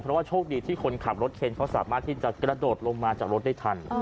เพราะโชคดีที่คนขับรถเครนเขาสามารถที่จะกระโดดลงมา